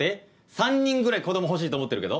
３人ぐらい子供欲しいと思ってるけど。